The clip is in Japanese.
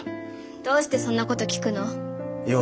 どうしてそんなこと聞くの？用がある。